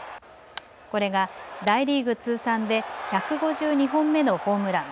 これが大リーグ通算で１５２本目のホームラン。